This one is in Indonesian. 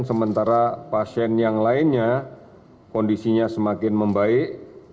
sementara pasien yang lainnya kondisinya semakin membaik